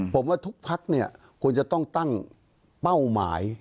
ผมว่าทุกพักเนี่ยควรจะต้องตั้งเป้าหมาย